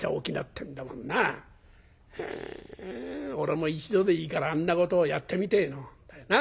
へえ俺も一度でいいからあんなことをやってみてえもんだよな。